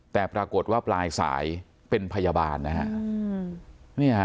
แต่ปรากฏว่าปลายสายเป็นพยาบาลนะฮะ